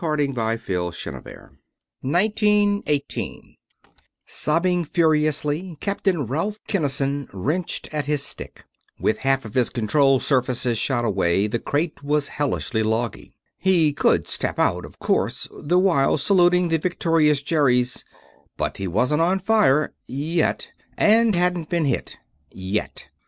_ BOOK TWO THE WORLD WAR CHAPTER 4 1918 Sobbing furiously, Captain Ralph Kinnison wrenched at his stick with half of his control surfaces shot away the crate was hellishly logy. He could step out, of course, the while saluting the victorious Jerries, but he wasn't on fire yet and hadn't been hit yet.